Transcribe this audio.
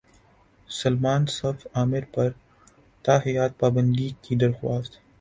سلمان صف عامر پر تاحیات پابندی کی درخواست